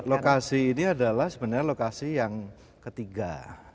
jadi lokasi ini adalah sebenarnya lokasi yang ketiga